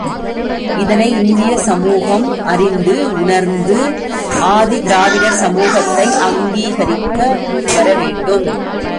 இதனை இந்திய சமூகம் அறிந்து, உணர்ந்து ஆதி திராவிடர் சமூகத்தை அங்கீகரிக்க முன்வர வேண்டும்.